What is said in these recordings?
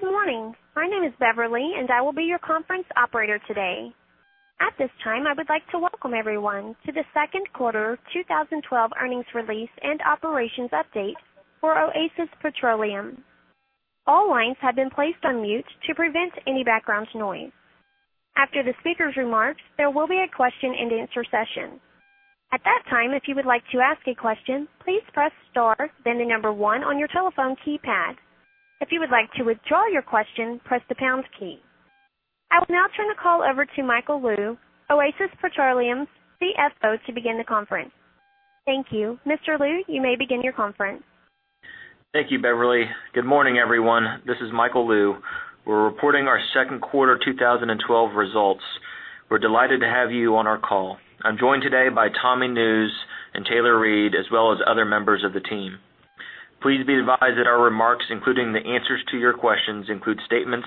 Good morning. My name is Beverly, and I will be your conference operator today. At this time, I would like to welcome everyone to the second quarter 2012 earnings release and operations update for Oasis Petroleum. All lines have been placed on mute to prevent any background noise. After the speaker's remarks, there will be a question and answer session. At that time, if you would like to ask a question, please press star, then the number one on your telephone keypad. If you would like to withdraw your question, press the pound key. I will now turn the call over to Michael Lou, Oasis Petroleum's CFO, to begin the conference. Thank you. Mr. Lou, you may begin your conference. Thank you, Beverly. Good morning, everyone. This is Michael Lou. We're reporting our second quarter 2012 results. We're delighted to have you on our call. I'm joined today by Tommy Nusz and Taylor Reid, as well as other members of the team. Please be advised that our remarks, including the answers to your questions, include statements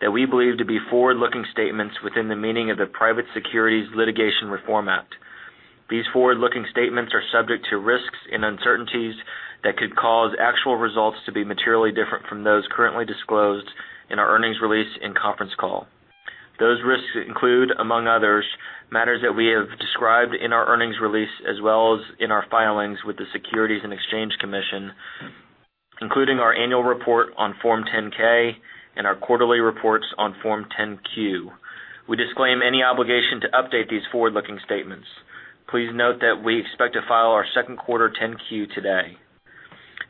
that we believe to be forward-looking statements within the meaning of the Private Securities Litigation Reform Act. These forward-looking statements are subject to risks and uncertainties that could cause actual results to be materially different from those currently disclosed in our earnings release and conference call. Those risks include, among others, matters that we have described in our earnings release as well as in our filings with the Securities and Exchange Commission, including our annual report on Form 10-K and our quarterly reports on Form 10-Q. We disclaim any obligation to update these forward-looking statements. Please note that we expect to file our second quarter 10-Q today.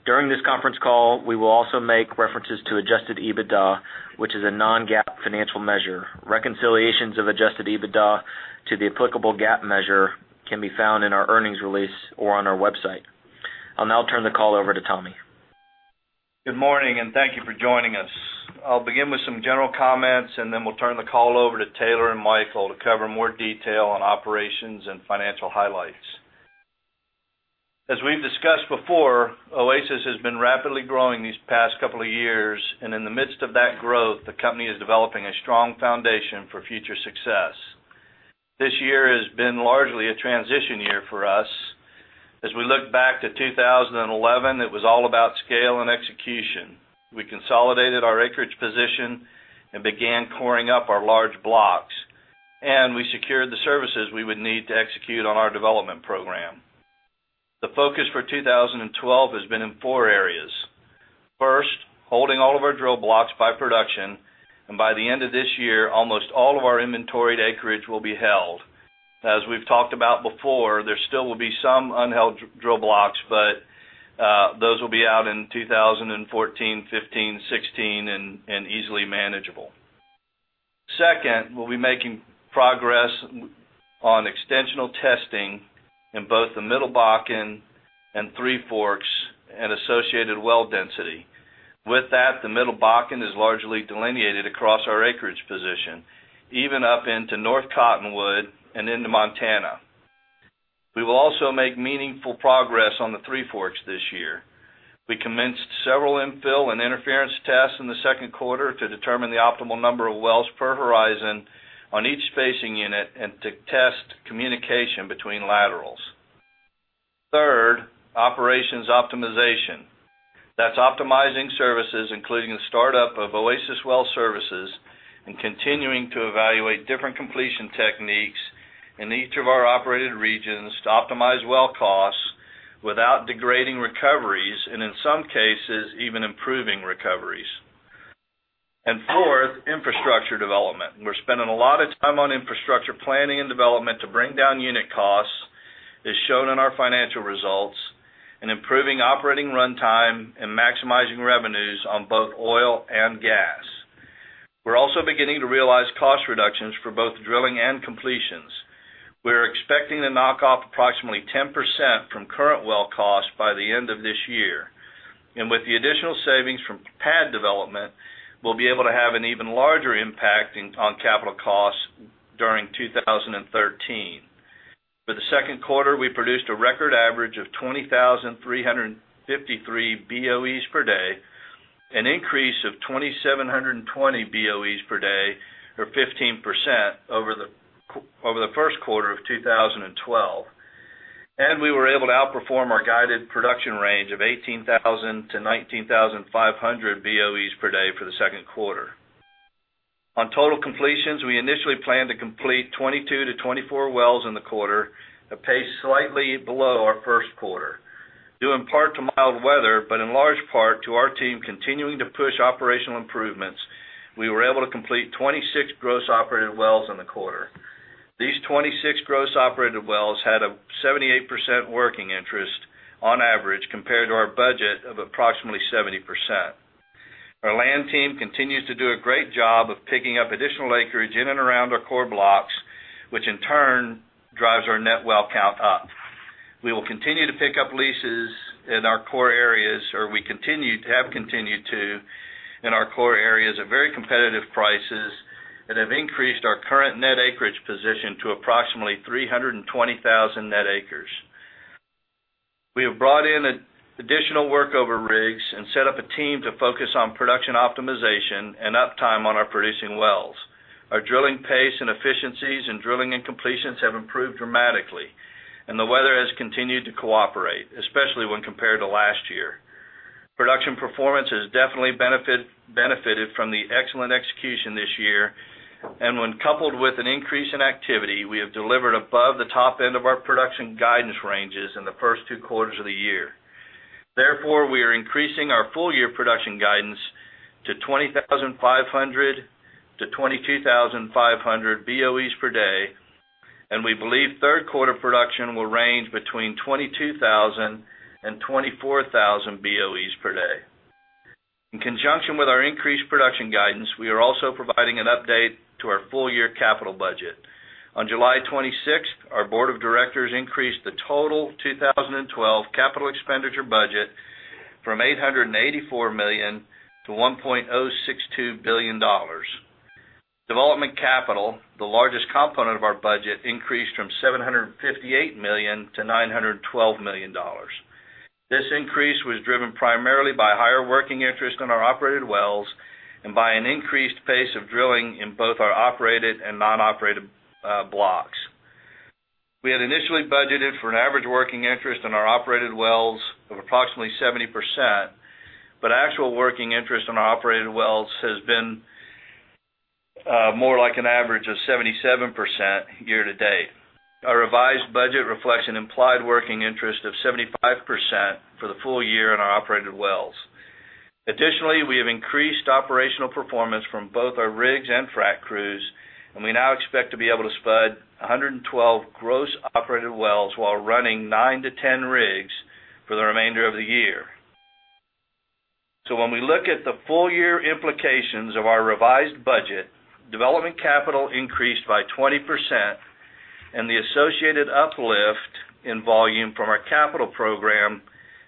During this conference call, we will also make references to adjusted EBITDA, which is a non-GAAP financial measure. Reconciliations of adjusted EBITDA to the applicable GAAP measure can be found in our earnings release or on our website. I'll now turn the call over to Tommy. Good morning, and thank you for joining us. I'll begin with some general comments, and then we'll turn the call over to Taylor and Michael to cover more detail on operations and financial highlights. As we've discussed before, Oasis has been rapidly growing these past couple of years, and in the midst of that growth, the company is developing a strong foundation for future success. This year has been largely a transition year for us. As we look back to 2011, it was all about scale and execution. We consolidated our acreage position and began coring up our large blocks, and we secured the services we would need to execute on our development program. The focus for 2012 has been in four areas. First, holding all of our drill blocks by production, and by the end of this year, almost all of our inventoried acreage will be held. As we've talked about before, there still will be some unheld drill blocks, but those will be out in 2014, '15, '16, and easily manageable. Second, we'll be making progress on extensional testing in both the Middle Bakken and Three Forks and associated well density. With that, the Middle Bakken is largely delineated across our acreage position, even up into North Cottonwood and into Montana. We will also make meaningful progress on the Three Forks this year. We commenced several infill and interference tests in the second quarter to determine the optimal number of wells per horizon on each spacing unit and to test communication between laterals. Third, operations optimization. That's optimizing services, including the startup of Oasis Well Services and continuing to evaluate different completion techniques in each of our operated regions to optimize well costs without degrading recoveries, and in some cases, even improving recoveries. Fourth, infrastructure development. We're spending a lot of time on infrastructure planning and development to bring down unit costs, as shown in our financial results, and improving operating runtime and maximizing revenues on both oil and gas. We're also beginning to realize cost reductions for both drilling and completions. We're expecting to knock off approximately 10% from current well costs by the end of this year. With the additional savings from pad development, we'll be able to have an even larger impact on capital costs during 2013. For the second quarter, we produced a record average of 20,353 BOEs per day, an increase of 2,720 BOEs per day or 15% over the first quarter of 2012. We were able to outperform our guided production range of 18,000 to 19,500 BOEs per day for the second quarter. On total completions, we initially planned to complete 22 to 24 wells in the quarter, a pace slightly below our first quarter. Due in part to mild weather, but in large part to our team continuing to push operational improvements, we were able to complete 26 gross operated wells in the quarter. These 26 gross operated wells had a 78% working interest on average compared to our budget of approximately 70%. Our land team continues to do a great job of picking up additional acreage in and around our core blocks, which in turn drives our net well count up. We will continue to pick up leases in our core areas at very competitive prices that have increased our current net acreage position to approximately 320,000 net acres. We have brought in additional workover rigs and set up a team to focus on production optimization and uptime on our producing wells. Our drilling pace and efficiencies in drilling and completions have improved dramatically. The weather has continued to cooperate, especially when compared to last year. Production performance has definitely benefited from the excellent execution this year, and when coupled with an increase in activity, we have delivered above the top end of our production guidance ranges in the first two quarters of the year. Therefore, we are increasing our full year production guidance to 20,500 to 22,500 BOEs per day, and we believe third quarter production will range between 22,000 and 24,000 BOEs per day. In conjunction with our increased production guidance, we are also providing an update to our full year capital budget. On July 26th, our board of directors increased the total 2012 capital expenditure budget from $884 million to $1.062 billion. Development capital, the largest component of our budget, increased from $758 million to $912 million. This increase was driven primarily by higher working interest on our operated wells and by an increased pace of drilling in both our operated and non-operated blocks. We had initially budgeted for an average working interest in our operated wells of approximately 70%, but actual working interest on our operated wells has been more like an average of 77% year to date. Our revised budget reflects an implied working interest of 75% for the full year on our operated wells. Additionally, we have increased operational performance from both our rigs and frac crews, and we now expect to be able to spud 112 gross operated wells while running nine to 10 rigs for the remainder of the year. When we look at the full year implications of our revised budget, development capital increased by 20% and the associated uplift in volume from our capital program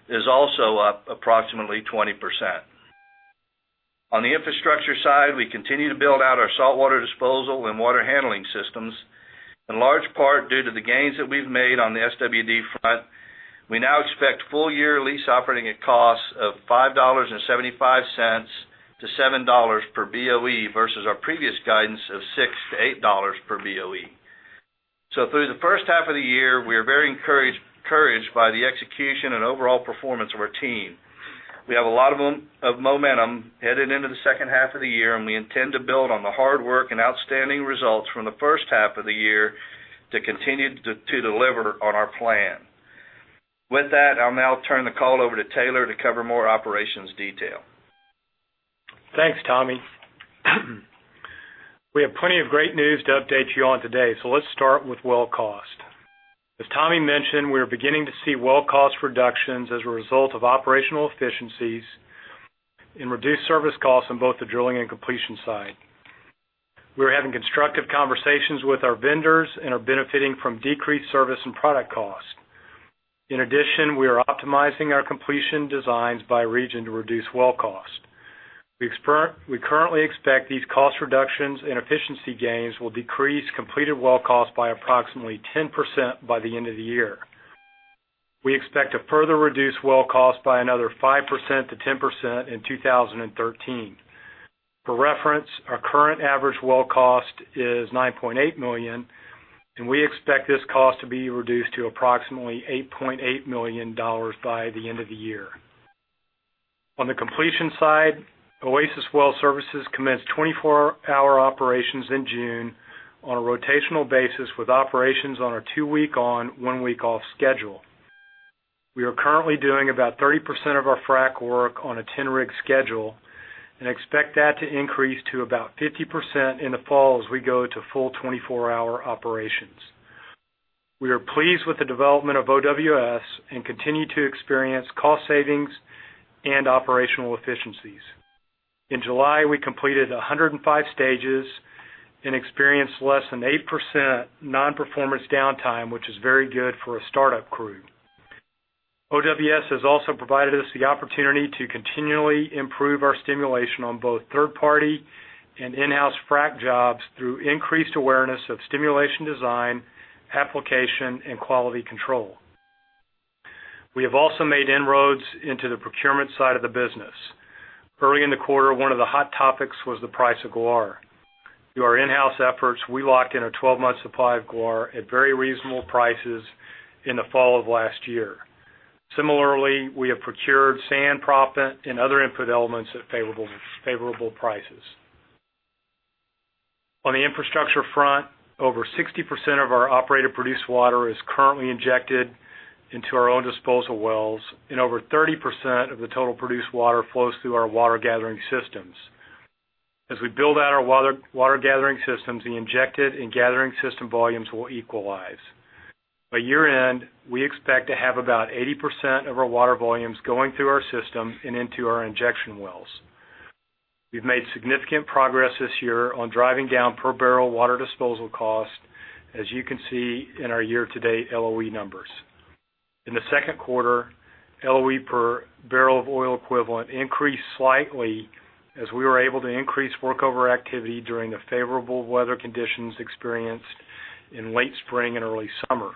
is also up approximately 20%. On the infrastructure side, we continue to build out our saltwater disposal and water handling systems, in large part due to the gains that we've made on the SWD front. We now expect full year lease operating costs of $5.75-$7 per BOE versus our previous guidance of $6-$8 per BOE. Through the first half of the year, we are very encouraged by the execution and overall performance of our team. We have a lot of momentum headed into the second half of the year, we intend to build on the hard work and outstanding results from the first half of the year to continue to deliver on our plan. With that, I'll now turn the call over to Taylor to cover more operations detail. Thanks, Tommy. Let's start with well cost. As Tommy mentioned, we are beginning to see well cost reductions as a result of operational efficiencies and reduced service costs on both the drilling and completion side. We are having constructive conversations with our vendors and are benefiting from decreased service and product costs. In addition, we are optimizing our completion designs by region to reduce well cost. We currently expect these cost reductions and efficiency gains will decrease completed well cost by approximately 10% by the end of the year. We expect to further reduce well cost by another 5%-10% in 2013. For reference, our current average well cost is $9.8 million, and we expect this cost to be reduced to approximately $8.8 million by the end of the year. On the completion side, Oasis Well Services commenced 24-hour operations in June on a rotational basis with operations on a two week on, one week off schedule. We are currently doing about 30% of our frack work on a 10 rig schedule and expect that to increase to about 50% in the fall as we go to full 24-hour operations. We are pleased with the development of OWS and continue to experience cost savings and operational efficiencies. In July, we completed 105 stages and experienced less than 8% non-performance downtime, which is very good for a startup crew. OWS has also provided us the opportunity to continually improve our stimulation on both third party and in-house frack jobs through increased awareness of stimulation design, application, and quality control. We have also made inroads into the procurement side of the business. Early in the quarter, one of the hot topics was the price of guar. Through our in-house efforts, we locked in a 12-month supply of guar at very reasonable prices in the fall of last year. Similarly, we have procured sand proppant and other input elements at favorable prices. On the infrastructure front, over 60% of our operated produced water is currently injected into our own disposal wells, and over 30% of the total produced water flows through our water gathering systems. As we build out our water gathering systems, the injected and gathering system volumes will equalize. By year-end, we expect to have about 80% of our water volumes going through our system and into our injection wells. We've made significant progress this year on driving down per barrel water disposal cost, as you can see in our year to date LOE numbers. In the second quarter, LOE per barrel of oil equivalent increased slightly as we were able to increase workover activity during the favorable weather conditions experienced in late spring and early summer.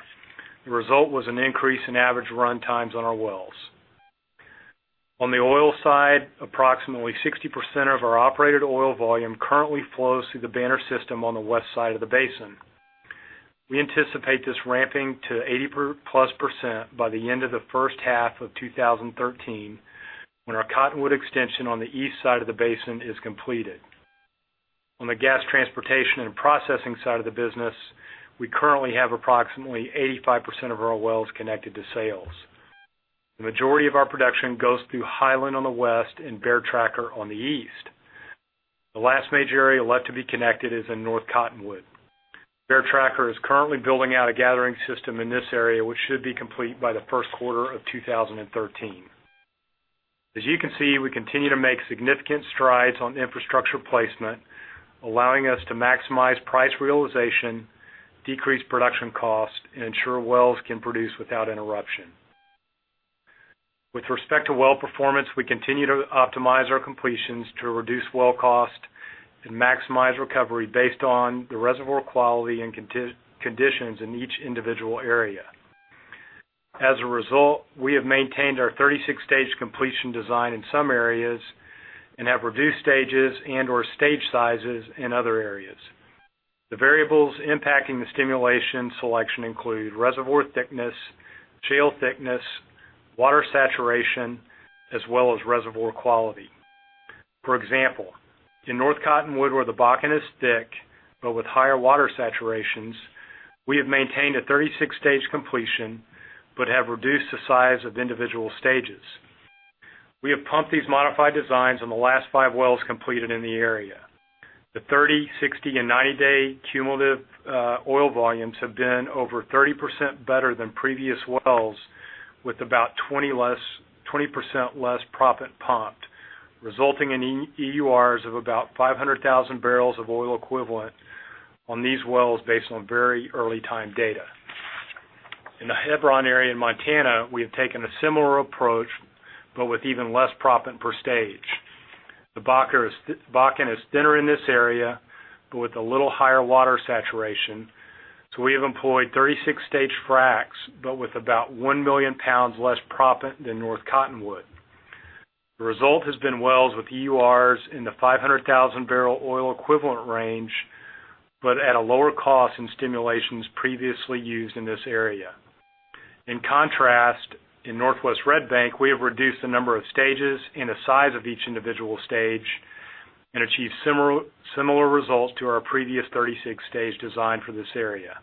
The result was an increase in average runtimes on our wells. On the oil side, approximately 60% of our operated oil volume currently flows through the Banner system on the west side of the basin. We anticipate this ramping to 80 plus percent by the end of the first half of 2013, when our Cottonwood extension on the east side of the basin is completed. On the gas transportation and processing side of the business, we currently have approximately 85% of our wells connected to sales. The majority of our production goes through Highland on the west and Bear Tracker on the east. The last major area left to be connected is in North Cottonwood. Bear Tracker is currently building out a gathering system in this area, which should be complete by the first quarter of 2013. As you can see, we continue to make significant strides on infrastructure placement, allowing us to maximize price realization, decrease production costs, and ensure wells can produce without interruption. With respect to well performance, we continue to optimize our completions to reduce well cost and maximize recovery based on the reservoir quality and conditions in each individual area. As a result, we have maintained our 36-stage completion design in some areas and have reduced stages and/or stage sizes in other areas. The variables impacting the stimulation selection include reservoir thickness, shale thickness, water saturation, as well as reservoir quality. For example, in North Cottonwood, where the Bakken is thick but with higher water saturations, we have maintained a 36-stage completion but have reduced the size of individual stages. We have pumped these modified designs on the last five wells completed in the area. The 30, 60, and 90-day cumulative oil volumes have been over 30% better than previous wells, with about 20% less proppant pumped, resulting in EURs of about 500,000 barrels of oil equivalent on these wells based on very early time data. In the Hebron area in Montana, we have taken a similar approach, but with even less proppant per stage. The Bakken is thinner in this area but with a little higher water saturation, so we have employed 36-stage fracs, but with about 1 million pounds less proppant than North Cottonwood. The result has been wells with EURs in the 500,000 barrel oil equivalent range, but at a lower cost in stimulations previously used in this area. In contrast, in Northwest Red Bank, we have reduced the number of stages and the size of each individual stage and achieved similar results to our previous 36-stage design for this area.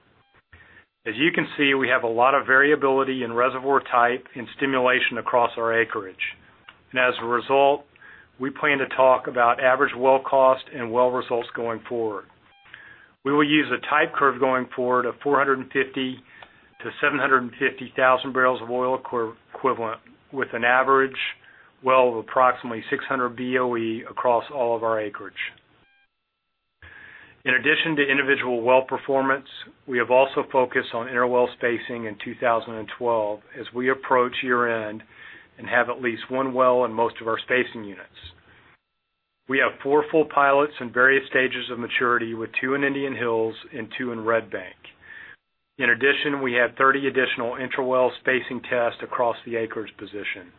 As you can see, we have a lot of variability in reservoir type and stimulation across our acreage. As a result, we plan to talk about average well cost and well results going forward. We will use a type curve going forward of 450 barrels of oil equivalent-750,000 barrels of oil equivalent, with an average well of approximately 600 BOE across all of our acreage. In addition to individual well performance, we have also focused on interwell spacing in 2012 as we approach year-end and have at least one well in most of our spacing units. We have four full pilots in various stages of maturity, with two in Indian Hills and two in Red Bank. In addition, we have 30 additional interwell spacing tests across the acres position.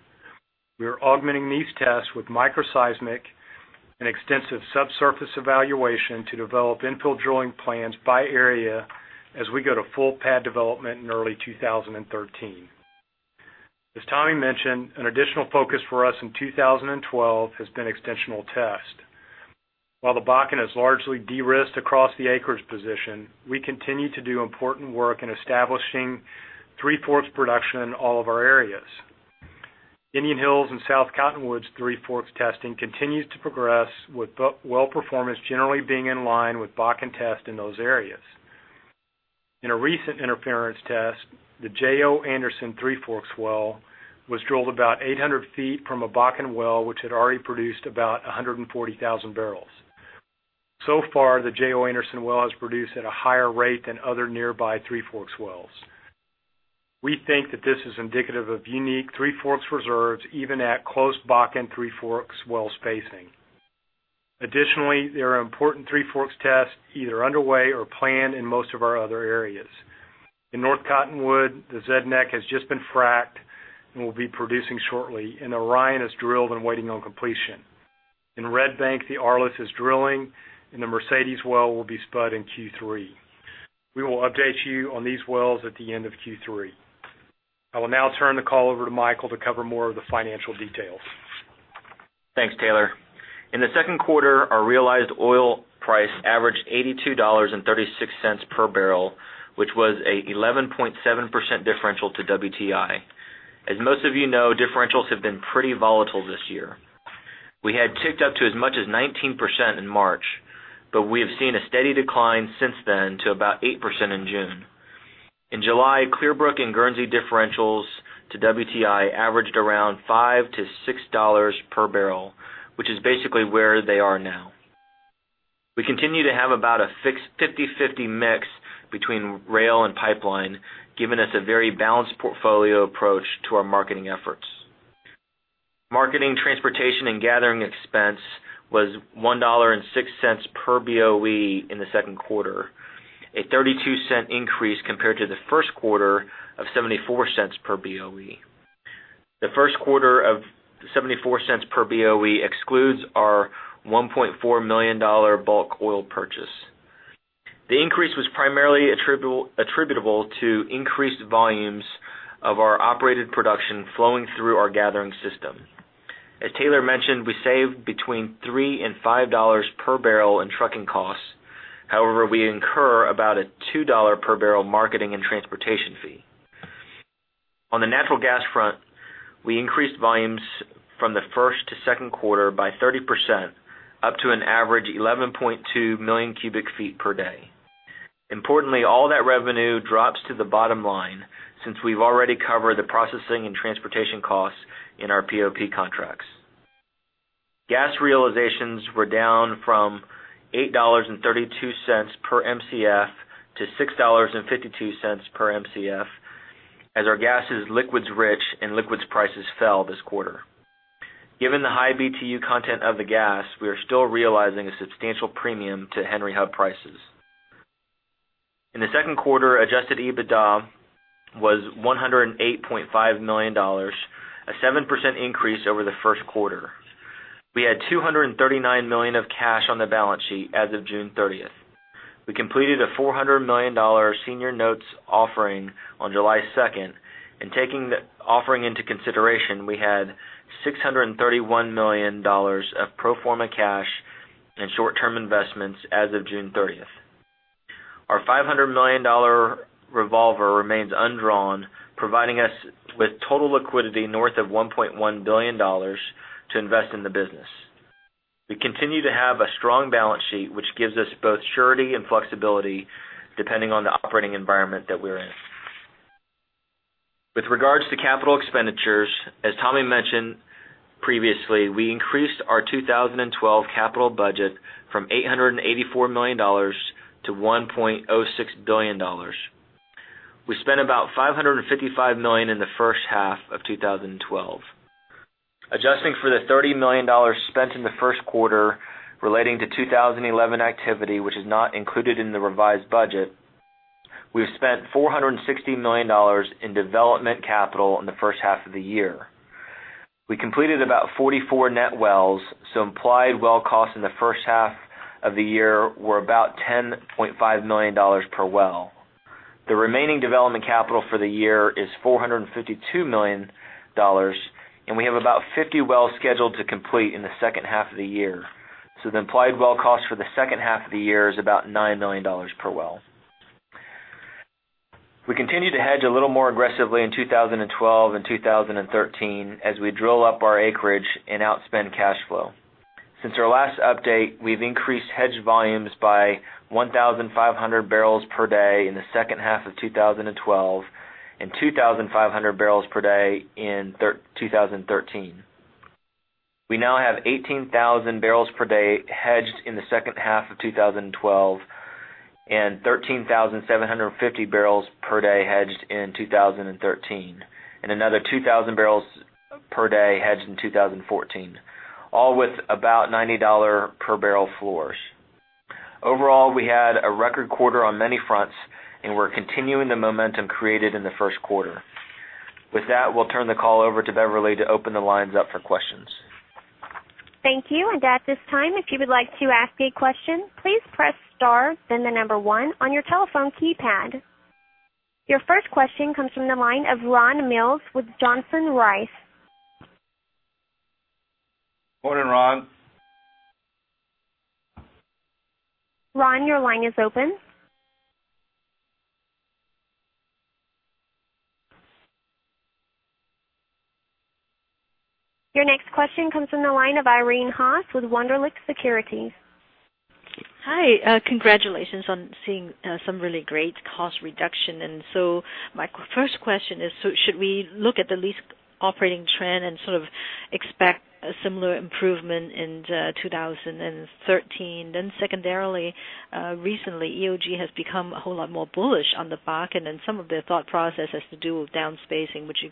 We are augmenting these tests with microseismic and extensive subsurface evaluation to develop infill drilling plans by area as we go to full pad development in early 2013. As Tommy mentioned, an additional focus for us in 2012 has been extensional test. While the Bakken is largely de-risked across the acres position, we continue to do important work in establishing Three Forks production in all of our areas. Indian Hills and South Cottonwood's Three Forks testing continues to progress, with well performance generally being in line with Bakken tests in those areas. In a recent interference test, the J.O. Anderson Three Forks well was drilled about 800 feet from a Bakken well which had already produced about 140,000 barrels. So far, the J.O. Anderson well has produced at a higher rate than other nearby Three Forks wells. Additionally, there are important Three Forks tests either underway or planned in most of our other areas. In North Cottonwood, the Z Neck has just been fracked and will be producing shortly, and Orion is drilled and waiting on completion. In Red Bank, the Arliss is drilling, and the Mercedes well will be spudded in Q3. We will update you on these wells at the end of Q3. I will now turn the call over to Michael to cover more of the financial details. Thanks, Taylor. In the second quarter, our realized oil price averaged $82.36 per barrel, which was an 11.7% differential to WTI. As most of you know, differentials have been pretty volatile this year. We had ticked up to as much as 19% in March, but we have seen a steady decline since then to about 8% in June. In July, Clearbrook and Guernsey differentials to WTI averaged around $5-$6 per barrel, which is basically where they are now. We continue to have about a 50/50 mix between rail and pipeline, giving us a very balanced portfolio approach to our marketing efforts. Marketing, transportation, and gathering expense was $1.06 per BOE in the second quarter, a $0.32 increase compared to the first quarter of $0.74 per BOE. The first quarter of $0.74 per BOE excludes our $1.4 million bulk oil purchase. The increase was primarily attributable to increased volumes of our operated production flowing through our gathering system. As Taylor mentioned, we saved between $3 and $5 per barrel in trucking costs. However, we incur about a $2 per barrel marketing and transportation fee. On the natural gas front, we increased volumes from the first to second quarter by 30%, up to an average 11.2 million cubic feet per day. Importantly, all that revenue drops to the bottom line since we've already covered the processing and transportation costs in our POP contracts. Gas realizations were down from $8.32 per Mcf to $6.52 per Mcf, as our gas is liquids rich and liquids prices fell this quarter. Given the high BTU content of the gas, we are still realizing a substantial premium to Henry Hub prices. In the second quarter, adjusted EBITDA was $108.5 million, a 7% increase over the first quarter. We had $239 million of cash on the balance sheet as of June 30th. We completed a $400 million senior notes offering on July 2nd. Taking the offering into consideration, we had $631 million of pro forma cash and short-term investments as of June 30th. Our $500 million revolver remains undrawn, providing us with total liquidity north of $1.1 billion to invest in the business. We continue to have a strong balance sheet, which gives us both surety and flexibility depending on the operating environment that we're in. With regards to capital expenditures, as Tommy mentioned previously, we increased our 2012 capital budget from $884 million to $1.06 billion. We spent about $555 million in the first half of 2012. Adjusting for the $30 million spent in the first quarter relating to 2011 activity, which is not included in the revised budget, we've spent $460 million in development capital in the first half of the year. We completed about 44 net wells, implied well costs in the first half of the year were about $10.5 million per well. The remaining development capital for the year is $452 million, we have about 50 wells scheduled to complete in the second half of the year. The implied well cost for the second half of the year is about $9 million per well. We continue to hedge a little more aggressively in 2012 and 2013 as we drill up our acreage and outspend cash flow. Since our last update, we've increased hedged volumes by 1,500 barrels per day in the second half of 2012 and 2,500 barrels per day in 2013. We now have 18,000 barrels per day hedged in the second half of 2012 and 13,750 barrels per day hedged in 2013, and another 2,000 barrels per day hedged in 2014, all with about $90 per barrel floors. Overall, we had a record quarter on many fronts, and we're continuing the momentum created in the first quarter. With that, we'll turn the call over to Beverly to open the lines up for questions. Thank you. At this time, if you would like to ask a question, please press star, then the number one on your telephone keypad. Your first question comes from the line of Ron Mills with Johnson Rice. Morning, Ron. Ron, your line is open. Your next question comes from the line of Irene Haas with Wunderlich Securities. Hi. Congratulations on seeing some really great cost reduction. My first question is, should we look at the lease operating trend and sort of expect a similar improvement in 2013? Secondarily, recently, EOG has become a whole lot more bullish on the Bakken, and some of their thought process has to do with downspacing, which you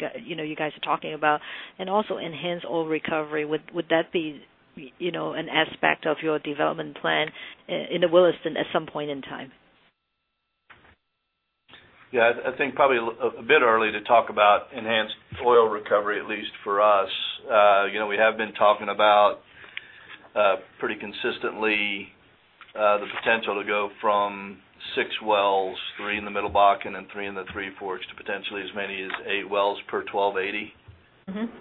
guys are talking about, and also enhanced oil recovery. Would that be an aspect of your development plan in the Williston at some point in time? Yeah, I think probably a bit early to talk about enhanced oil recovery, at least for us. We have been talking about pretty consistently the potential to go from six wells, three in the Middle Bakken and three in the Three Forks, to potentially as many as eight wells per 1280.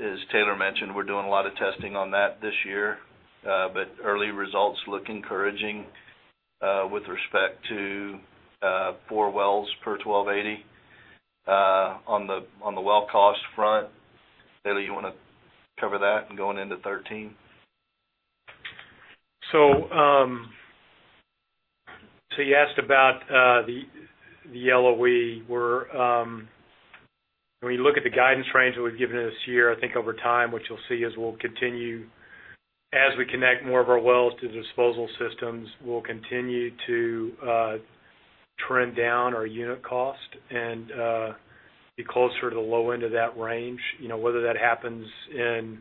As Taylor mentioned, we're doing a lot of testing on that this year. But early results look encouraging with respect to four wells per 1280. On the well cost front, Taylor, you want to cover that and going into 2013? You asked about the LOE. When you look at the guidance range that we've given this year, I think over time, what you'll see is we'll continue, as we connect more of our wells to disposal systems, we'll continue to trend down our unit cost and be closer to the low end of that range. Whether that happens in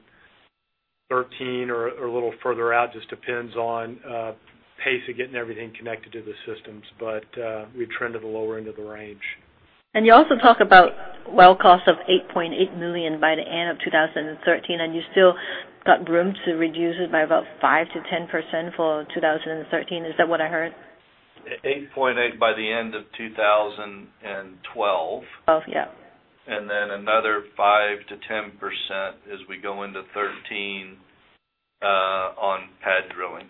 2013 or a little further out, just depends on pace of getting everything connected to the systems. We trend to the lower end of the range. You also talk about well cost of $8.8 million by the end of 2013, and you still got room to reduce it by about 5%-10% for 2013. Is that what I heard? $8.8 by the end of 2012. 12, yeah. Then another 5%-10% as we go into 2013 on pad drilling.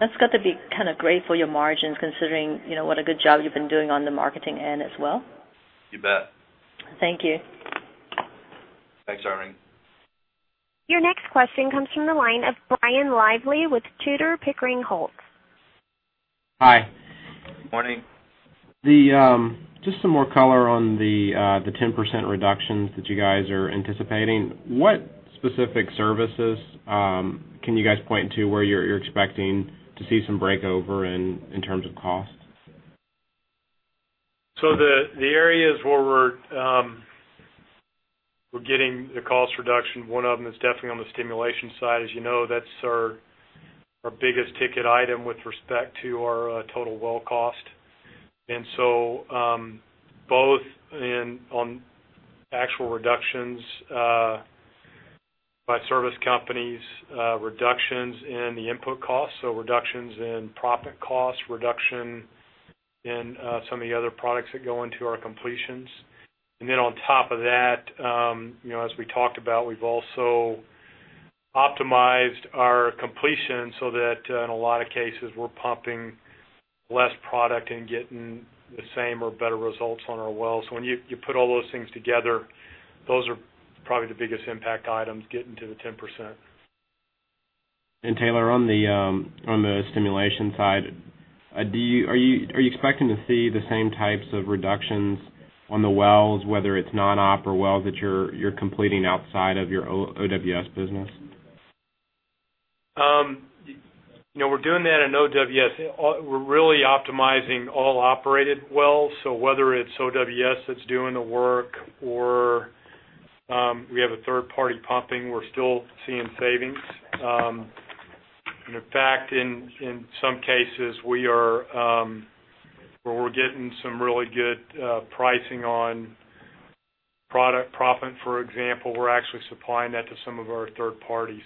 That's got to be great for your margins, considering what a good job you've been doing on the marketing end as well. You bet. Thank you. Thanks, Irene. Your next question comes from the line of Brian Lively with Tudor, Pickering, Holt. Hi. Morning. Just some more color on the 10% reductions that you guys are anticipating. What specific services can you guys point to where you're expecting to see some break over in terms of cost? The areas where we're getting the cost reduction, one of them is definitely on the stimulation side. As you know, that's our biggest ticket item with respect to our total well cost. Both on actual reductions by service companies, reductions in the input costs, reductions in proppant costs, reduction in some of the other products that go into our completions. Then on top of that, as we talked about, we've also optimized our completion so that in a lot of cases, we're pumping less product and getting the same or better results on our wells. When you put all those things together, those are probably the biggest impact items getting to the 10%. Taylor, on the stimulation side, are you expecting to see the same types of reductions on the wells, whether it's non-op or wells that you're completing outside of your OWS business? We're doing that in OWS. We're really optimizing all operated wells, so whether it's OWS that's doing the work or we have a third party pumping, we're still seeing savings. In fact, in some cases, where we're getting some really good pricing on product proppant, for example, we're actually supplying that to some of our third parties.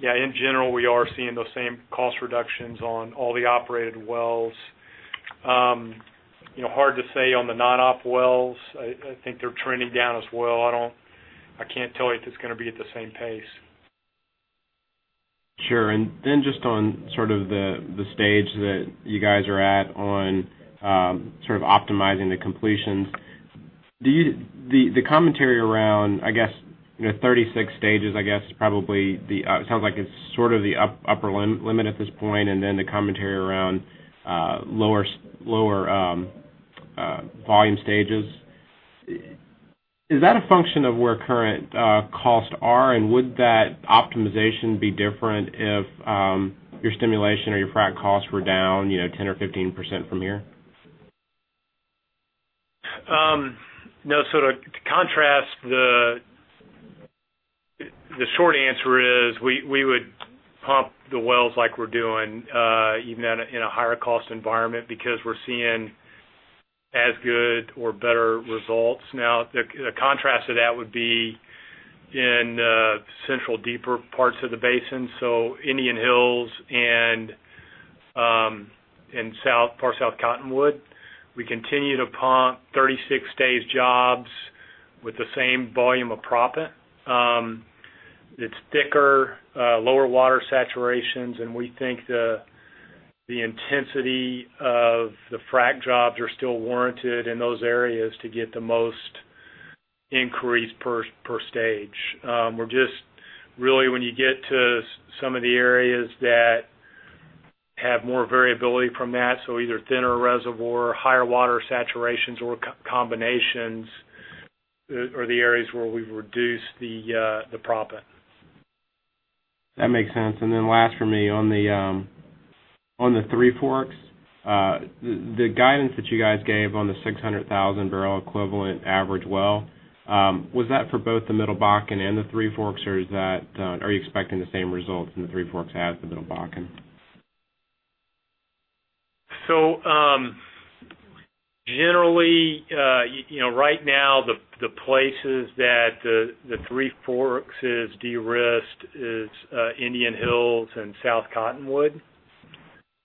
Yeah, in general, we are seeing those same cost reductions on all the operated wells. Hard to say on the non-op wells. I think they're trending down as well. I can't tell you if it's going to be at the same pace. Sure. Then just on the stage that you guys are at on optimizing the completions. The commentary around, I guess, 36 stages, I guess, sounds like it's the upper limit at this point, and then the commentary around lower volume stages. Is that a function of where current costs are? Would that optimization be different if your stimulation or your frac costs were down 10% or 15% from here? No. To contrast, the short answer is we would pump the wells like we're doing, even in a higher cost environment, because we're seeing as good or better results. Now, the contrast to that would be in central deeper parts of the basin, so Indian Hills and far South Cottonwood. We continue to pump 36-stage jobs with the same volume of proppant. It's thicker, lower water saturations, and we think the intensity of the frac jobs are still warranted in those areas to get the most increase per stage. We're just really when you get to some of the areas that have more variability from that, so either thinner reservoir, higher water saturations, or combinations, are the areas where we've reduced the proppant. That makes sense. Last for me, on the Three Forks, the guidance that you guys gave on the 600,000 barrel equivalent average well, was that for both the Middle Bakken and the Three Forks, or are you expecting the same results in the Three Forks as the Middle Bakken? Generally, right now the places that the Three Forks is de-risked is Indian Hills and South Cottonwood.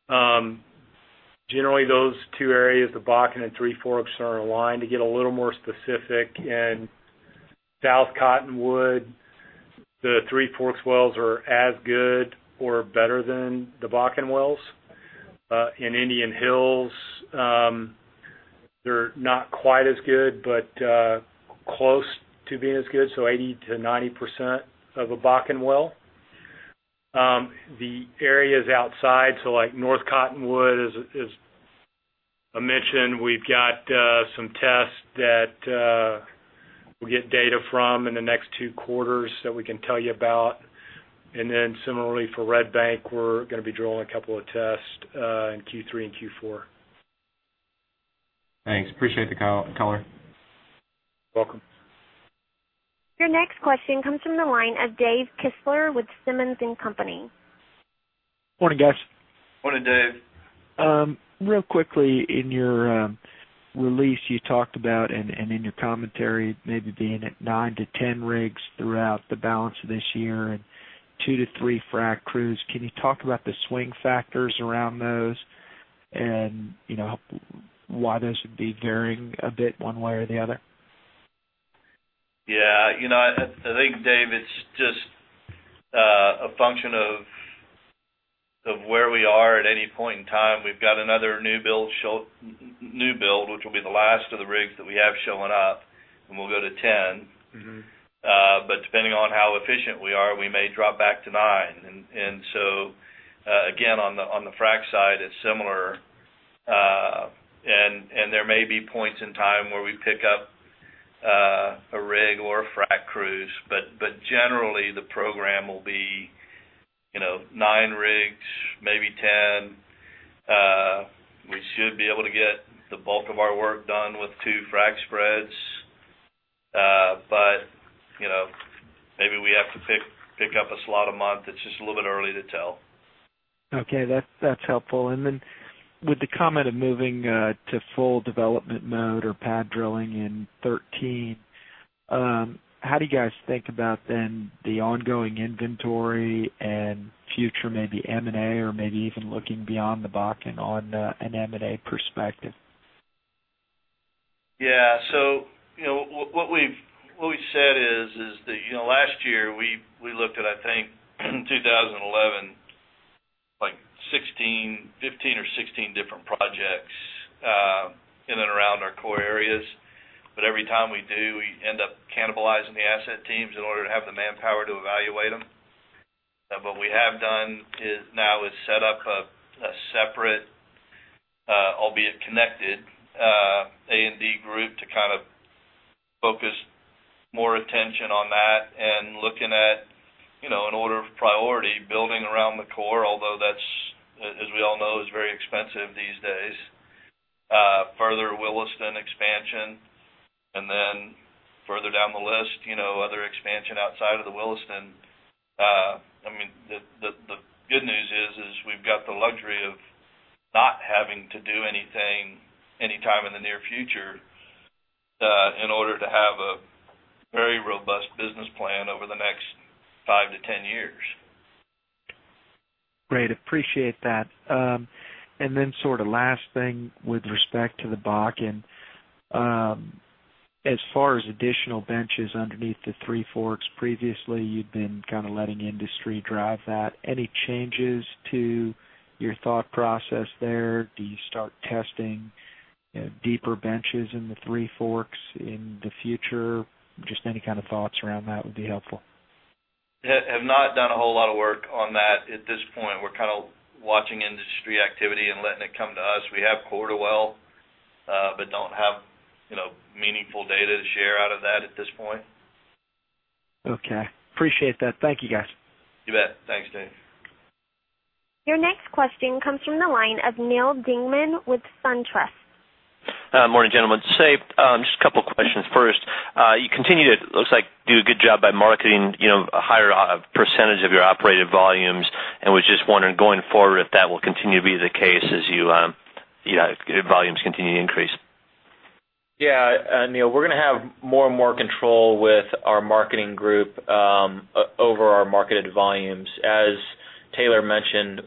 Generally those two areas, the Bakken and Three Forks are aligned. To get a little more specific, in South Cottonwood, the Three Forks wells are as good or better than the Bakken wells. In Indian Hills, they're not quite as good, but close to being as good, so 80%-90% of a Bakken well. The areas outside, like North Cottonwood, as I mentioned, we've got some tests that we'll get data from in the next two quarters that we can tell you about. Similarly for Red Bank, we're going to be drilling a couple of tests in Q3 and Q4. Thanks. Appreciate the color. Welcome. Your next question comes from the line of Dave Kistler with Simmons & Company. Morning, guys. Morning, Dave. Real quickly, in your release, you talked about, and in your commentary, maybe being at 9-10 rigs throughout the balance of this year and 2-3 frac crews. Can you talk about the swing factors around those and why those would be varying a bit one way or the other? Yeah. I think, Dave, it's just a function of where we are at any point in time. We've got another new build, which will be the last of the rigs that we have showing up, and we'll go to 10. Depending on how efficient we are, we may drop back to nine. Again, on the frac side, it's similar. There may be points in time where we pick up a rig or a frac crews. Generally, the program will be nine rigs, maybe 10. We should be able to get the bulk of our work done with two frac spreads. Maybe we have to pick up a slot a month. It's just a little bit early to tell. Okay. That's helpful. With the comment of moving to full development mode or pad drilling in 2013, how do you guys think about then the ongoing inventory and future, maybe M&A or maybe even looking beyond the Bakken on an M&A perspective? Yeah. What we've said is that last year we looked at, I think, 2011, 15 or 16 different projects in and around our core areas. Every time we do, we end up cannibalizing the asset teams in order to have the manpower to evaluate them. What we have done now is set up a separate, albeit connected, A&D group to focus more attention on that and looking at, in order of priority, building around the core, although that's, as we all know, is very expensive these days. Further Williston expansion, then further down the list, other expansion outside of the Williston. The good news is we've got the luxury of not having to do anything anytime in the near future in order to have a very robust business plan over the next 5 to 10 years. Great. Appreciate that. Last thing with respect to the Bakken. As far as additional benches underneath the Three Forks, previously you'd been letting industry drive that. Any changes to your thought process there? Do you start testing deeper benches in the Three Forks in the future? Just any thoughts around that would be helpful. Have not done a whole lot of work on that at this point. We're watching industry activity and letting it come to us. We have cored a well but don't have meaningful data to share out of that at this point. Okay. Appreciate that. Thank you, guys. You bet. Thanks, Dave. Your next question comes from the line of Neal Dingmann with SunTrust. Morning, gentlemen. Say, just a couple of questions. First, you continue to, looks like, do a good job by marketing a higher percentage of your operated volumes, and I was just wondering going forward if that will continue to be the case as your volumes continue to increase. Yeah. Neal, we're going to have more and more control with our marketing group over our marketed volumes. As Taylor mentioned,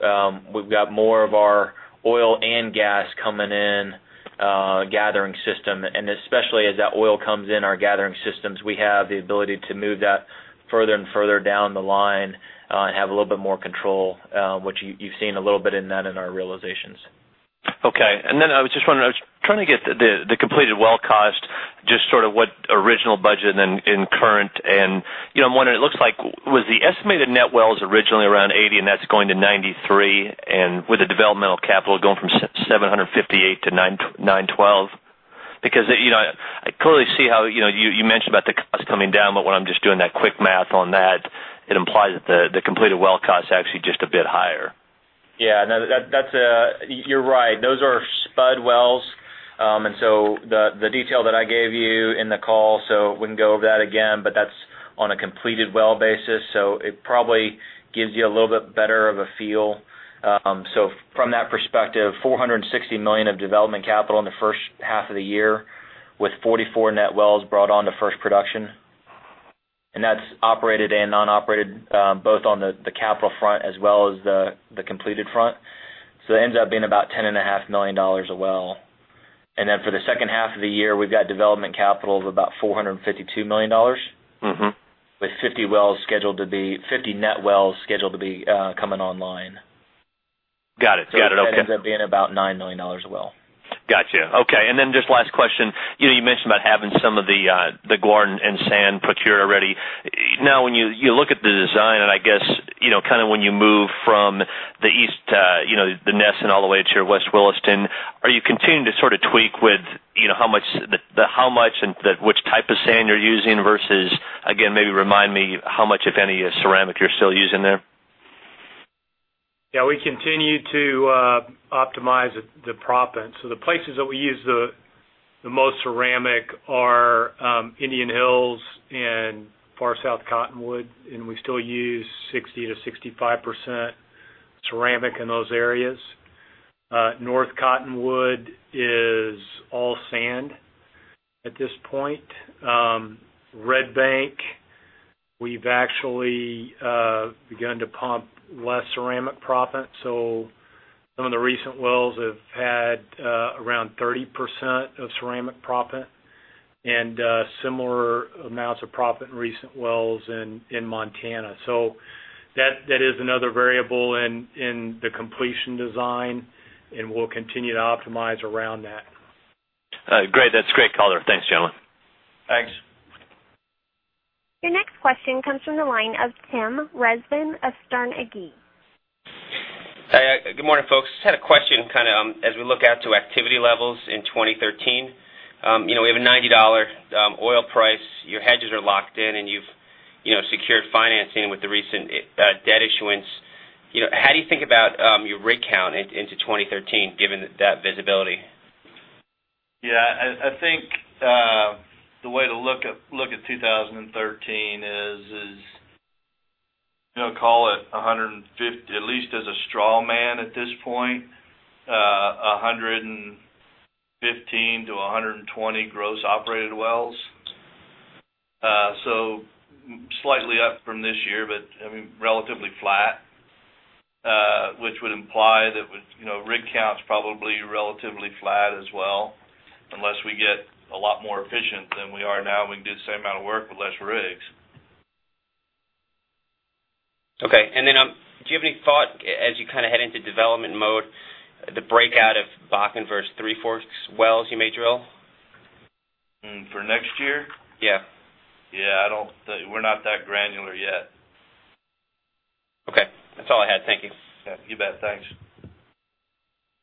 we've got more of our oil and gas coming in gathering system, and especially as that oil comes in our gathering systems, we have the ability to move that further and further down the line and have a little bit more control, which you've seen a little bit in that in our realizations. Okay. I was just wondering, I was trying to get the completed well cost, just what original budget and in current. I'm wondering, it looks like, was the estimated net wells originally around 80, and that's going to 93, and with the developmental capital going from $758 to $912? I clearly see how you mentioned about the cost coming down, but when I'm just doing that quick math on that, it implies that the completed well cost actually just a bit higher. Yeah. No, you're right. Those are spud wells. The detail that I gave you in the call, so I wouldn't go over that again, but that's on a completed well basis. It probably gives you a little bit better of a feel. From that perspective, $460 million of development capital in the first half of the year with 44 net wells brought on to first production. That's operated and non-operated both on the capital front as well as the completed front. It ends up being about $10.5 million a well. For the second half of the year, we've got development capital of about $452 million. With 50 net wells scheduled to be coming online. Got it. Okay. That ends up being about $9 million a well. Got you. Okay. Then just last question. You mentioned about having some of the guar and sand procured already. When you look at the design, and I guess, when you move from the east, the Ness and all the way to your West Williston, are you continuing to tweak with the how much and which type of sand you're using versus, again, maybe remind me how much, if any, ceramic you're still using there? Yeah, we continue to optimize the proppant. The places that we use the most ceramic are Indian Hills and Far South Cottonwood, and we still use 60%-65% ceramic in those areas. North Cottonwood is all sand at this point. Red Bank, we've actually begun to pump less ceramic proppant, some of the recent wells have had around 30% of ceramic proppant and similar amounts of proppant in recent wells in Montana. That is another variable in the completion design, and we'll continue to optimize around that. Great. That's great color. Thanks, gentlemen. Thanks. Your next question comes from the line of Tim Rezvan of Stifel, Nicolaus. Good morning, folks. Just had a question, as we look out to activity levels in 2013. We have a $90 oil price. Your hedges are locked in, and you've secured financing with the recent debt issuance. How do you think about your rig count into 2013 given that visibility? I think the way to look at 2013 is, call it 150, at least as a straw man at this point, 115-120 gross operated wells. Slightly up from this year, but relatively flat, which would imply that rig count's probably relatively flat as well, unless we get a lot more efficient than we are now, and we can do the same amount of work with less rigs. Okay. Do you have any thought as you head into development mode, the breakout of Bakken versus Three Forks wells you may drill? For next year? Yeah. We're not that granular yet. Okay. That's all I had. Thank you. Yeah, you bet. Thanks.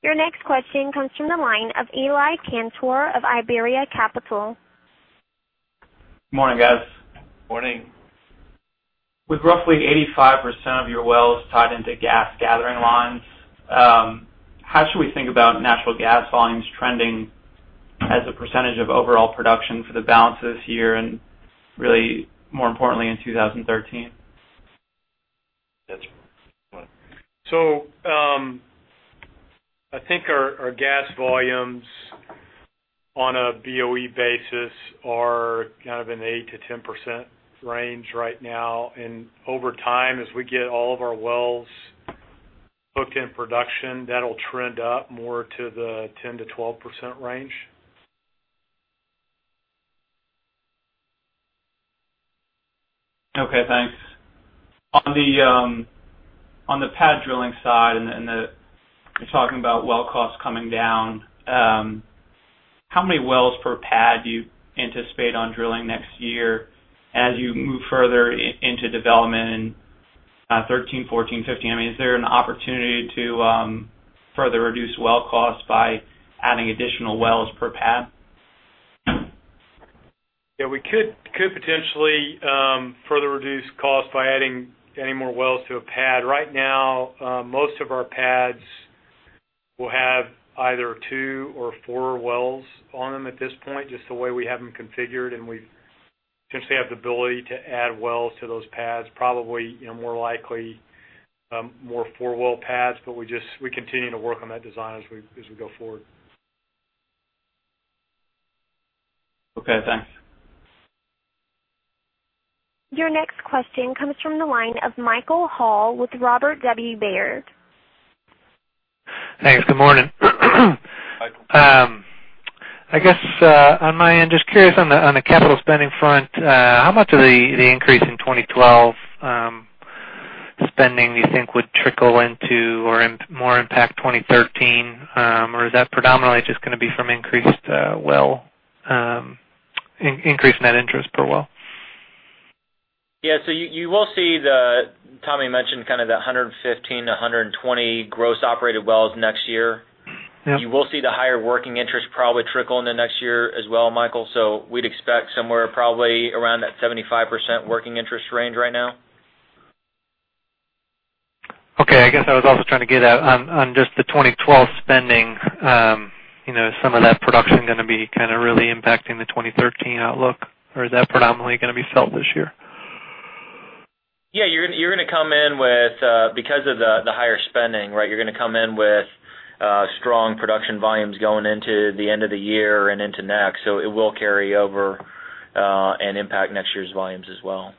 Your next question comes from the line of Eli Kantor of Iberia Capital. Good morning, guys. Morning. With roughly 85% of your wells tied into gas gathering lines, how should we think about natural gas volumes trending as a percentage of overall production for the balance of this year and really more importantly, in 2013? That's for you, Tommy. I think our gas volumes on a BOE basis are an eight to 10% range right now, and over time, as we get all of our wells hooked in production, that'll trend up more to the 10%-12% range. Okay, thanks. On the pad drilling side, and the talking about well cost coming down, how many wells per pad do you anticipate on drilling next year as you move further into development in 2013, 2014, 2015? Is there an opportunity to further reduce well cost by adding additional wells per pad? We could potentially further reduce cost by adding any more wells to a pad. Right now, most of our pads will have either two or four wells on them at this point, just the way we have them configured, and we potentially have the ability to add wells to those pads. Probably, more likely, more four-well pads, but we continue to work on that design as we go forward. Okay, thanks. Your next question comes from the line of Michael Hall with Robert W. Baird. Thanks. Good morning. Michael. I guess, on my end, just curious on the capital spending front, how much of the increase in 2012 spending you think would trickle into or more impact 2013? Is that predominantly just going to be from increased net interest per well? Yeah, you will see the, Tommy mentioned the 115-120 gross operated wells next year. Yeah. You will see the higher working interest probably trickle into next year as well, Michael Liu. We'd expect somewhere probably around that 75% working interest range right now. Okay. I guess I was also trying to get at, on just the 2012 spending, some of that production going to be really impacting the 2013 outlook, is that predominantly going to be felt this year? Yeah, because of the higher spending, you're going to come in with strong production volumes going into the end of the year and into next. It will carry over, and impact next year's volumes as well.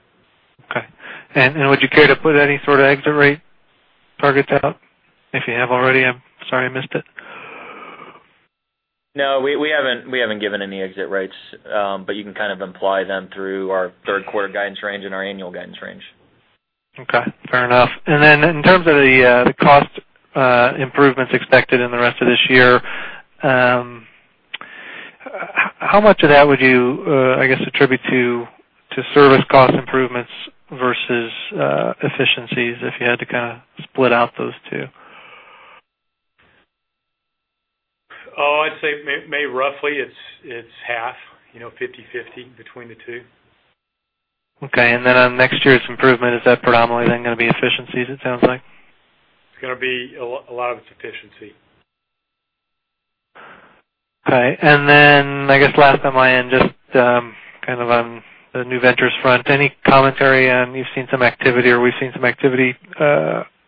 Okay. Would you care to put any sort of exit rate targets out? If you have already, I'm sorry I missed it. No, we haven't given any exit rates. You can imply them through our third quarter guidance range and our annual guidance range. Okay. Fair enough. In terms of the cost improvements expected in the rest of this year, how much of that would you attribute to service cost improvements versus efficiencies, if you had to split out those two? I'd say roughly it's half, 50/50 between the two. Okay. On next year's improvement, is that predominantly then going to be efficiencies, it sounds like? A lot of it's efficiency. Okay. I guess last on my end, just on the new ventures front, any commentary on, you've seen some activity or we've seen some activity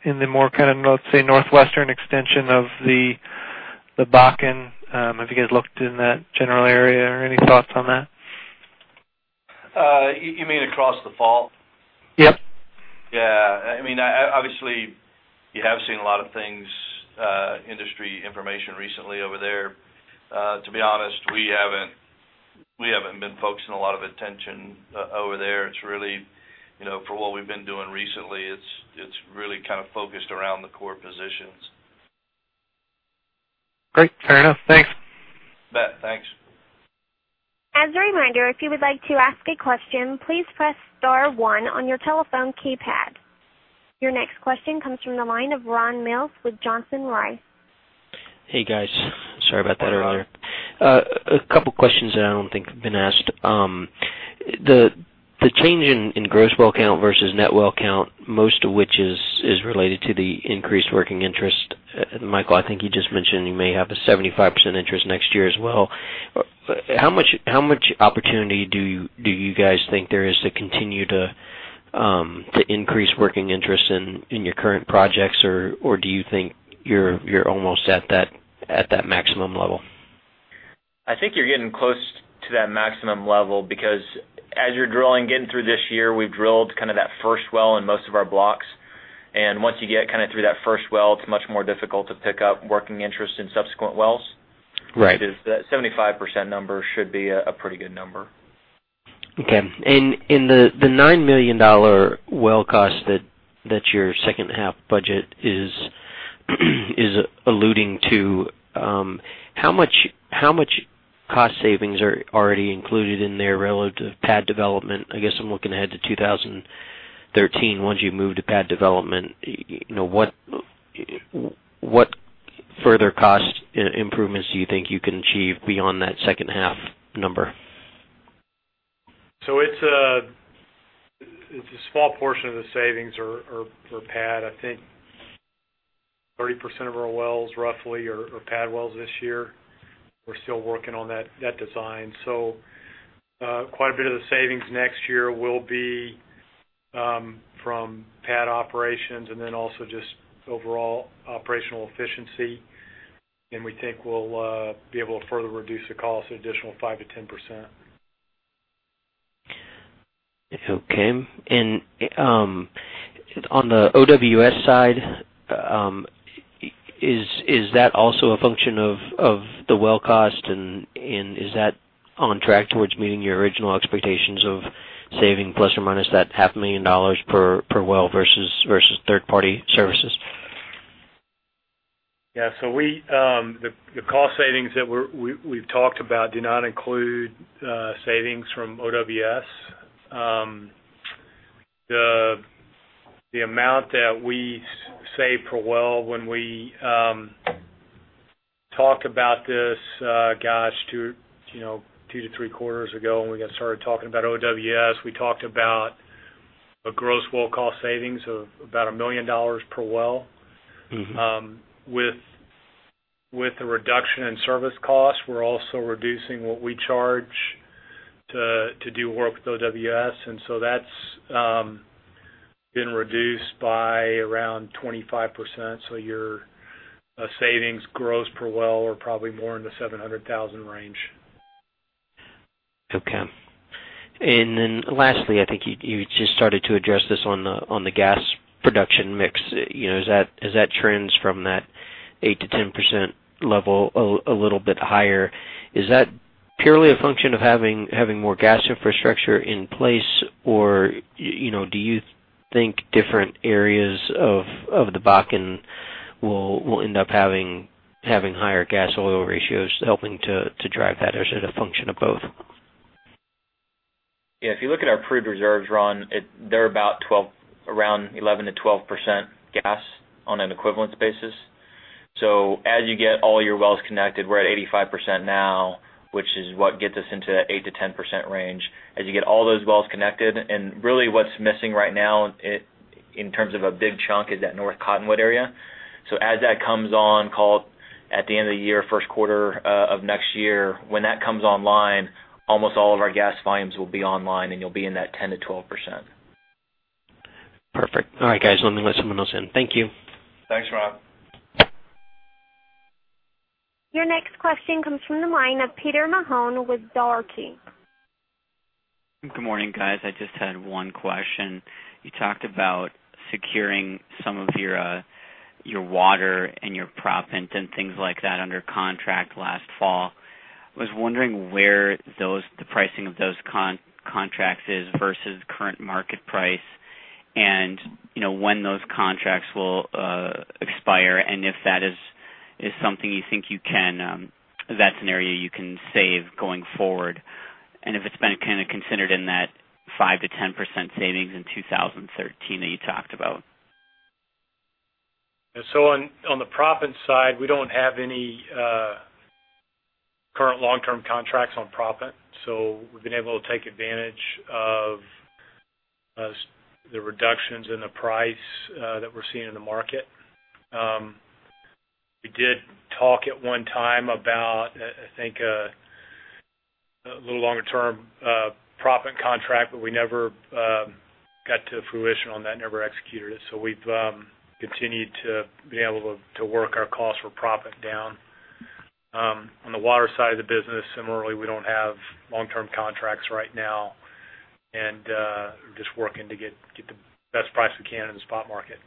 in the more, let's say, northwestern extension of the Bakken. Have you guys looked in that general area or any thoughts on that? You mean across the fault? Yep. Yeah. Obviously, you have seen a lot of things, industry information recently over there. To be honest, we haven't been focusing a lot of attention over there. For what we've been doing recently, it's really focused around the core positions. Great. Fair enough. Thanks. You bet. Thanks. As a reminder, if you would like to ask a question, please press star one on your telephone keypad. Your next question comes from the line of Ron Mills with Johnson Rice. Hey, guys. Sorry about that earlier. Hi, Ron. A couple of questions that I don't think have been asked. The change in gross well count versus net well count, most of which is related to the increased working interest. Michael, I think you just mentioned you may have a 75% interest next year as well. How much opportunity do you guys think there is to continue to increase working interest in your current projects, or do you think you're almost at that maximum level? I think you're getting close to that maximum level because as you're drilling, getting through this year, we've drilled that first well in most of our blocks, and once you get through that first well, it's much more difficult to pick up working interest in subsequent wells. Right. That 75% number should be a pretty good number. Okay. In the $9 million well cost that your second half budget is alluding to, how much cost savings are already included in there relative to pad development? I guess I'm looking ahead to 2013. Once you move to pad development, what further cost improvements do you think you can achieve beyond that second half number? A small portion of the savings are pad. I think 30% of our wells, roughly, are pad wells this year. We're still working on that design. Quite a bit of the savings next year will be from pad operations, and then also just overall operational efficiency. We think we'll be able to further reduce the cost an additional 5%-10%. Okay. On the OWS side, is that also a function of the well cost, is that on track towards meeting your original expectations of saving ± that half a million dollars per well versus third-party services? Yeah. The cost savings that we've talked about do not include savings from OWS. The amount that we save per well, when we talked about this, gosh, two to three quarters ago, when we got started talking about OWS, we talked about a gross well cost savings of about $1 million per well. With the reduction in service costs, we're also reducing what we charge to do work with OWS, that's been reduced by around 25%. Your savings gross per well are probably more in the $700,000 range. Okay. Lastly, I think you just started to address this on the gas production mix. As that trends from that 8%-10% level, a little bit higher, is that purely a function of having more gas infrastructure in place, or do you think different areas of the Bakken will end up having higher gas oil ratios helping to drive that, or is it a function of both? If you look at our proved reserves, Ron, they're around 11%-12% gas on an equivalent basis. As you get all your wells connected, we're at 85% now, which is what gets us into that 8%-10% range. As you get all those wells connected, and really what's missing right now in terms of a big chunk is that North Cottonwood area. As that comes on call at the end of the year, first quarter of next year, when that comes online, almost all of our gas volumes will be online, and you'll be in that 10%-12%. Perfect. All right, guys, let me let someone else in. Thank you. Thanks, Ron. Your next question comes from the line of Peter Mahon with Dougherty. Good morning, guys. I just had one question. You talked about securing some of your water and your proppant and things like that under contract last fall. I was wondering where the pricing of those contracts is versus current market price and when those contracts will expire and if that's an area you can save going forward, and if it's been considered in that 5%-10% savings in 2013 that you talked about. On the proppant side, we don't have any current long-term contracts on proppant. We've been able to take advantage of the reductions in the price that we're seeing in the market. We did talk at one time about, I think, a little longer-term proppant contract, we never got to fruition on that, never executed it. We've continued to be able to work our costs for proppant down. On the water side of the business, similarly, we don't have long-term contracts right now, and we're just working to get the best price we can in the spot market.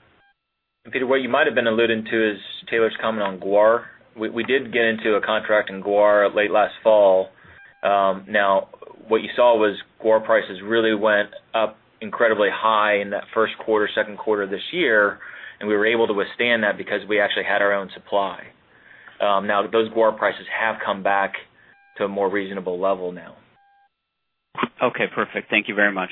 Peter, what you might have been alluding to is Taylor's comment on guar. We did get into a contract in guar late last fall. What you saw was guar prices really went up incredibly high in that first quarter, second quarter this year, and we were able to withstand that because we actually had our own supply. Those guar prices have come back to a more reasonable level now. Okay, perfect. Thank you very much.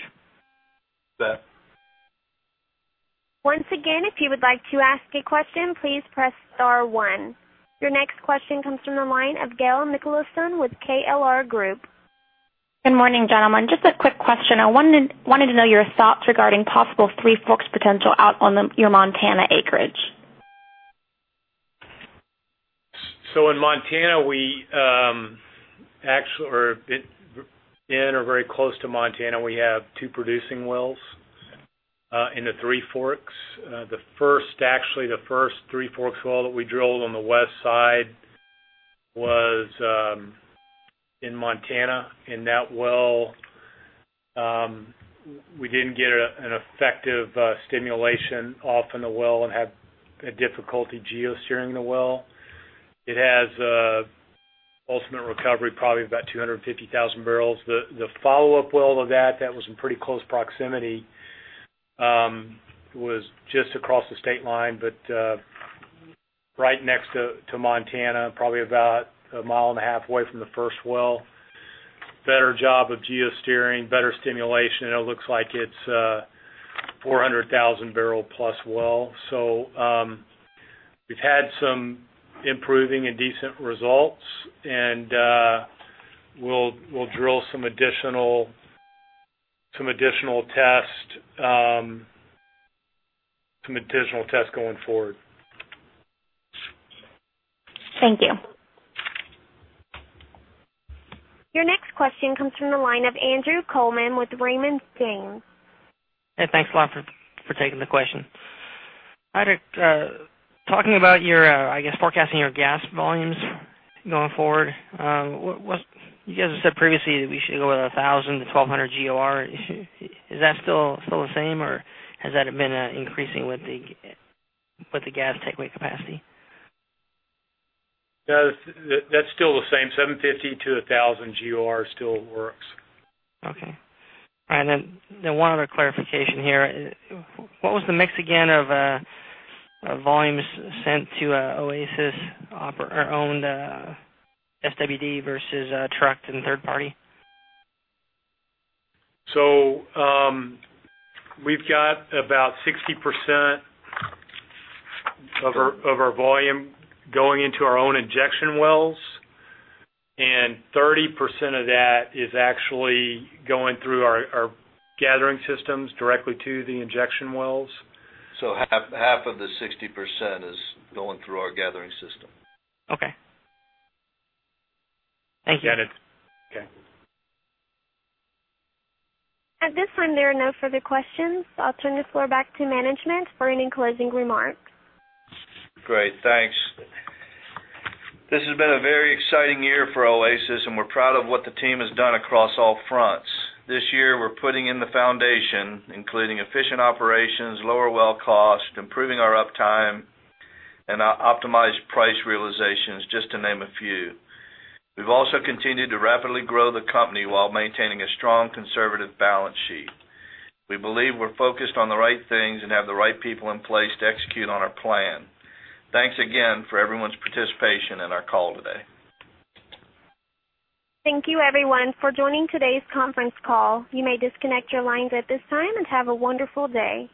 You bet. Once again, if you would like to ask a question, please press star one. Your next question comes from the line of Gail Nicholson with KLR Group. Good morning, gentlemen. Just a quick question. I wanted to know your thoughts regarding possible Three Forks potential out on your Montana acreage. In Montana, or in or very close to Montana, we have two producing wells in the Three Forks. The first Three Forks well that we drilled on the west side was in Montana. In that well, we didn't get an effective stimulation off in the well and had a difficulty geosteering the well. It has ultimate recovery, probably about 250,000 barrels. The follow-up well of that was in pretty close proximity, was just across the state line, but right next to Montana, probably about a mile and a half away from the first well. Better job of geosteering, better stimulation, and it looks like it's a 400,000-barrel plus well. We've had some improving and decent results, and we'll drill some additional tests going forward. Thank you. Your next question comes from the line of Andrew Coleman with Raymond James. Hey, thanks a lot for taking the question. Taylor, talking about your, I guess, forecasting your gas volumes going forward, you guys have said previously that we should go with a 1,000 to 1,200 GOR. Is that still the same, or has that been increasing with the gas takeaway capacity? No, that's still the same. 750 to a 1,000 GOR still works. Okay. All right, one other clarification here. What was the mix again of volumes sent to Oasis owned SWD versus trucked and third party? We've got about 60% of our volume going into our own injection wells, 30% of that is actually going through our gathering systems directly to the injection wells. Half of the 60% is going through our gathering system. Okay. Thank you. You got it. Okay. At this time, there are no further questions. I'll turn the floor back to management for any closing remarks. Great. Thanks. This has been a very exciting year for Oasis, and we're proud of what the team has done across all fronts. This year, we're putting in the foundation, including efficient operations, lower well cost, improving our uptime, and optimized price realizations, just to name a few. We've also continued to rapidly grow the company while maintaining a strong conservative balance sheet. We believe we're focused on the right things and have the right people in place to execute on our plan. Thanks again for everyone's participation in our call today. Thank you everyone for joining today's conference call. You may disconnect your lines at this time, and have a wonderful day.